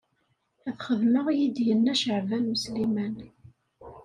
Ad xedmeɣ i yi-d yenna Caɛban U Sliman.